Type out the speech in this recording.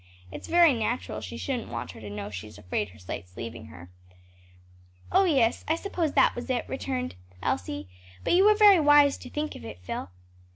It's very natural she shouldn't want her to know she's afraid her sight's leaving her." "Oh, yes; I suppose that was it!" returned Elsie. "But you were very wise to think of it, Phil."